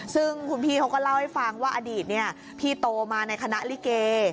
ซึ่งคุณพี่เขาก็เล่าให้ฟังว่าอดีตพี่โตมาในคณะลิเก